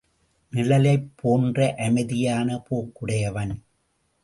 நிழலைப் போன்ற அமைதியான போக்குடையவன்.